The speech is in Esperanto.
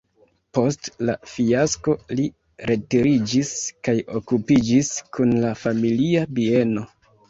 Post la fiasko li retiriĝis kaj okupiĝis kun la familia bieno.